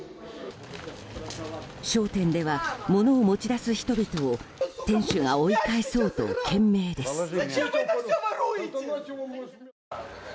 商店では物を持ち出す人々を店主が追い返そうと懸命です。